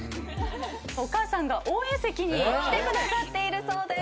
お母さんが応援席に来てくださっているそうです。